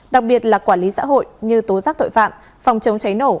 đặc biệt là quản lý xã hội như tố giác tội phạm phòng chống cháy nổ